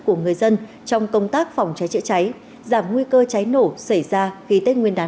của người dân trong công tác phòng cháy chữa cháy giảm nguy cơ cháy nổ xảy ra khi tết nguyên đán